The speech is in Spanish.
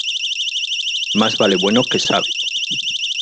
Más vale bueno que sabio.